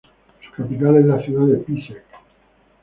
Su capital es la ciudad de Písek.